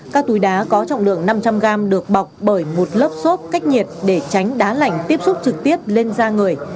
các túi đá có trọng lượng năm trăm linh gram được bọc bởi một lớp xốp cách nhiệt để tránh đá lạnh tiếp xúc trực tiếp lên da người